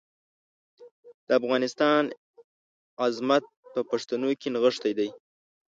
د افغانستان عظمت په پښتنو کې نغښتی دی.